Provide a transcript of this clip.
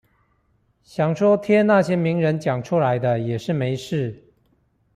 想說貼那些名人講出來的也是沒事